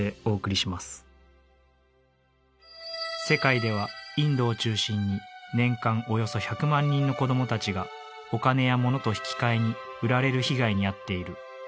世界ではインドを中心に年間およそ１００万人の子どもたちがお金やものと引き換えに売られる被害に遭っている。